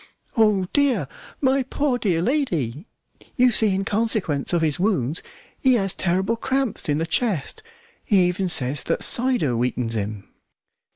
"Oh, dear! my poor, dear lady! you see in consequence of his wounds he has terrible cramps in the chest. He even says that cider weakens him."